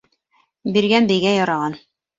Биргән бейгә яраған